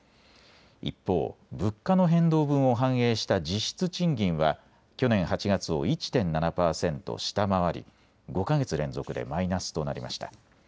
一方、物価の変動分を反映した実質賃金は去年８月を１．７％下回り５か月連続でマイナスとなりました。